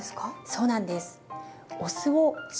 そうなんです。